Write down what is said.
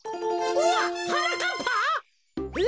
うわっはなかっぱ？え！